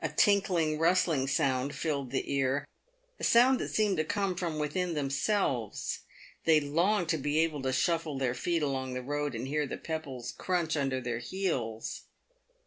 A tinkling, rustling sound filled the ear, a sound that seemed to come from within themselves. They longed to be able to shuffle their feet along the road, and hear the pebbles crunch under their heels.